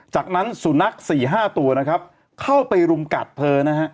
จากนั้นสุนัขสี่ห้าตัวเข้าไปรุมกัดเธอ